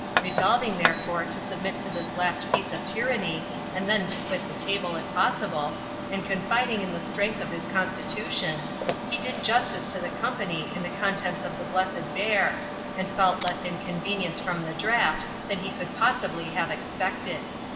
Resolving, therefore, to submit to this last piece of tyranny, and then to quit the table, if possible, and confiding in the strength of his constitution, he did justice to the company in the contents of the Blessed Bear, and felt less inconvenience from the draught than he could possibly have expected.